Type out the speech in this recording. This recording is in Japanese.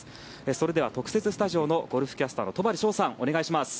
それでは特設スタジオのゴルフキャスターの戸張捷さんよろしくお願いします。